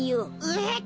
えっ？